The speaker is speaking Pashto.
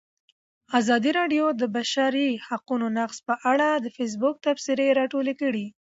ازادي راډیو د د بشري حقونو نقض په اړه د فیسبوک تبصرې راټولې کړي.